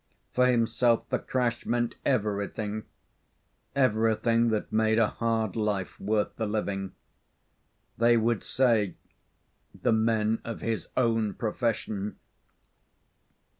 For himself the crash meant everything everything that made a hard life worth the living. They would say, the men of his own profession